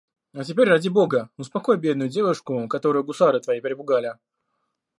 А теперь, ради бога, успокой бедную девушку, которую гусары твои перепугали.